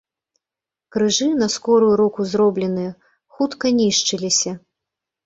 Крыжы, на скорую руку зробленыя, хутка нішчыліся.